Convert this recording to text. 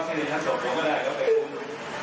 ผมขายของผมก็จริง